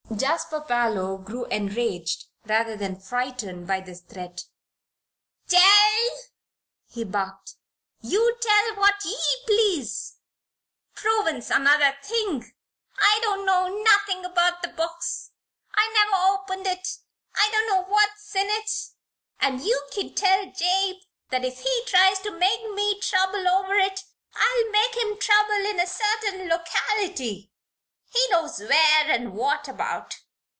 Jasper Parloe grew enraged rather than frightened by this threat. "Tell!" he barked. "You tell what ye please. Provin's another thing. I don't know nothin' about the box. I never opened it. I don't know what's in it. And you kin tell Jabe that if he tries to make me trouble over it I'll make him trouble in a certain locality he knows where and what about."